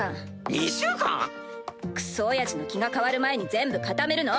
２週間⁉クソおやじの気が変わる前に全部固めるの。